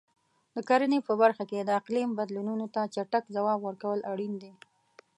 د کرنې په برخه کې د اقلیم بدلونونو ته چټک ځواب ورکول اړین دي.